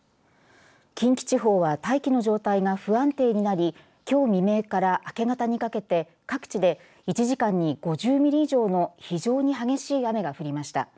近畿地方は大気の状態が不安定になりきょう未明から明け方にかけて各地で１時間に５０ミリ以上の非常に激しい雨が降りました。